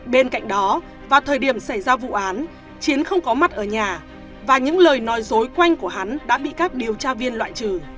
bên cạnh đó vào thời điểm xảy ra vụ án chiến không có mặt ở nhà và những lời nói dối quanh của hắn đã bị các điều tra viên loại trừ